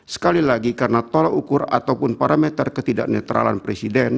sekali lagi karena tolak ukur ataupun parameter ketidak netralan presiden